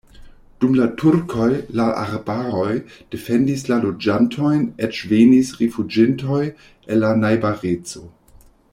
Dum la turkoj la arbaroj defendis la loĝantojn, eĉ venis rifuĝintoj el la najbareco.